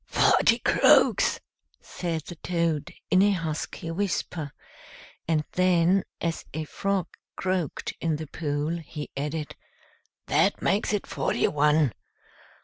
"Forty croaks," said the Toad, in a husky whisper; and then, as a frog croaked in the pool, he added, "That makes it forty one.